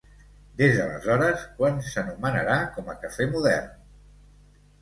Des d'aleshores quan s'anomenarà com a Cafè Modern.